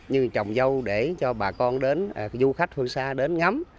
nhưng trồng dâu để cho bà con đến du khách phương xa đến ngắm